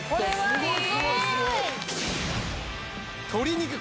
すごい！